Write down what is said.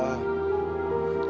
dia di sini bu